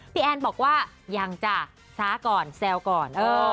แอนบอกว่ายังจ้ะช้าก่อนแซวก่อน